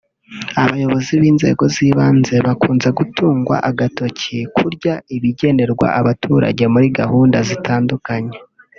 Abayobozi b’inzego z’ibanze bakunze gutungwa agatoki kurya ibigenerwa abaturage muri gahunda zitandukanye